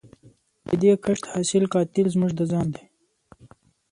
د دې کښت حاصل قاتل زموږ د ځان دی